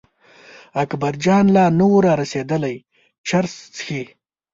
اکبرجان لا نه و را رسېدلی چرس څښي.